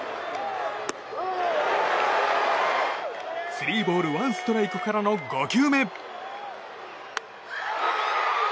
スリーボールワンストライクからの５球目。